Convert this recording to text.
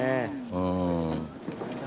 うん。